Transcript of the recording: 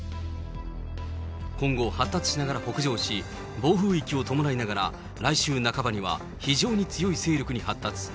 今後発達しながら北上し、暴風域を伴いながら、来週半ばには非常に強い勢力に発達。